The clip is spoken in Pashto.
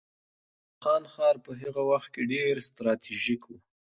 د اصفهان ښار په هغه وخت کې ډېر ستراتیژیک و.